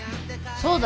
そうだよ。